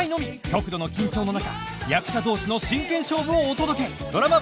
極度の緊張の中役者同士の真剣勝負をお届け！